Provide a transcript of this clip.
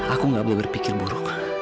aku gak boleh berpikir buruk